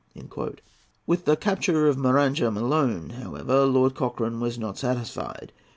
With the capture of Maranham alone, however, Lord Cochrane was not satisfied.